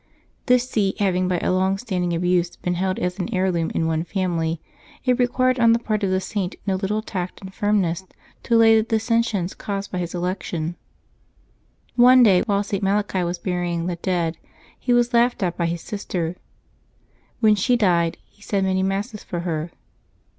This see having by a long standing abuse been held as an heirloom in one family, it required on the part of the Saint no little tact and firmness to allay the dissensions caused by his election. One day, while St. Malachi was burying the dead, he was laughed at by his sister. When she died, he said many Masses for her.